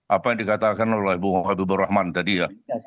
apa yang dikatakan oleh bung habibur rahman tadi ya